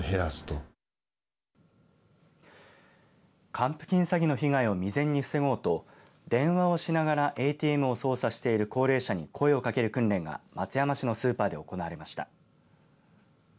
還付金詐欺の被害を未然に防ごうと電話をしながらＡＴＭを操作している高齢者に声をかける訓練が松山市のスーパーで行われました。